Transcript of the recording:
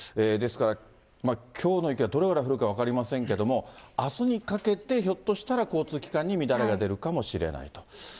ですから、きょうの雪がどれぐらい降るか分かりませんけれども、あすにかけて、ひょっとしたら交通機関に乱れが出るかもしれないと。